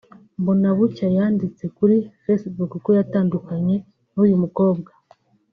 Mbonabucya yanditse kuri facebook ko yatandukanye n’uyu mukobwa